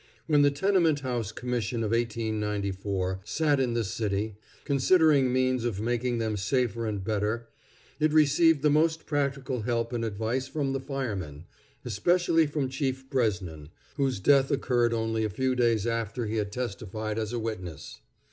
When the Tenement House Commission of 1894 sat in this city, considering means of making them safer and better, it received the most practical help and advice from the firemen, especially from Chief Bresnan, whose death occurred only a few days after he had testified as a witness.